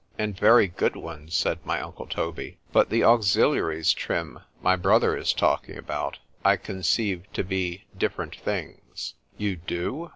——And very good ones, said my uncle Toby.—But the auxiliaries, Trim, my brother is talking about,—I conceive to be different things.—— ——You do?